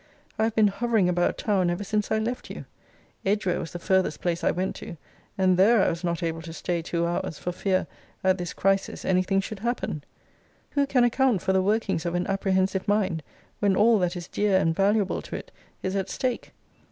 I have been hovering about town ever since I left you. Edgware was the farthest place I went to, and there I was not able to stay two hours, for fear, at this crisis, any thing should happen. Who can account for the workings of an apprehensive mind, when all that is dear and valuable to it is at stake?